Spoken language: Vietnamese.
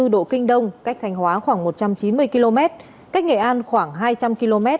một trăm linh bảy bốn độ kinh đông cách thành hóa khoảng một trăm chín mươi km cách nghệ an khoảng hai trăm linh km